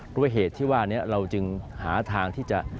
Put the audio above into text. ด้วยเหตุที่ว่านี้เราจึงหาทางที่จะ